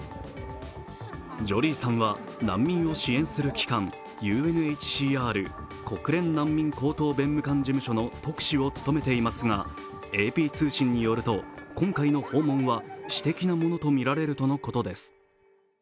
ジョリーさんは難民を支援する機関、ＵＮＨＣＲ＝国連難民高等弁務官事務所の特使を務めていますが、ＡＰ通信によると今回の訪問は私的なものとみられるとのことです。